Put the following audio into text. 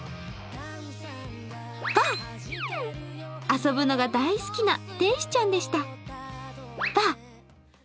遊ぶのが大好きな天使ちゃんでした。